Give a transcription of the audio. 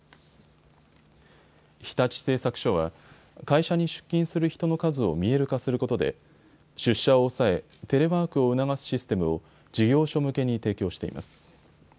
日立製作所は会社に出勤する人の数を見える化することで出社を抑えテレワークを促すシステムを事業所向けに提供しています。